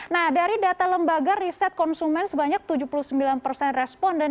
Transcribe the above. nah dari data lembaga riset konsumen sebanyak tujuh puluh sembilan persen responden